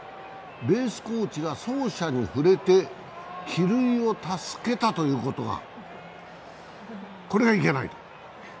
ベースコーチが走者に触れて帰塁を助けたということがいけないと。